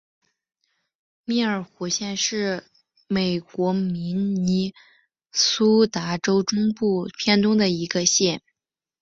密尔湖县是美国明尼苏达州中部偏东的一个县。